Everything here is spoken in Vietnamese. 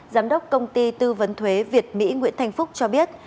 giám đốc công ty tư vấn thuế việt mỹ nguyễn thành phúc cho biết